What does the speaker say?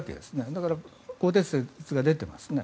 だから更迭説が出ていますね。